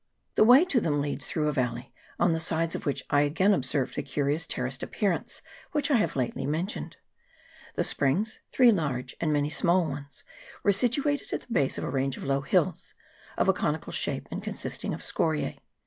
The way to them leads through a valley, on the sides of which I again observed the curious terraced appearance which I have lately mentioned. The springs, three large and many small ones, were situated at the base of a range of low hills, of a conical shape, and consisting of scorise.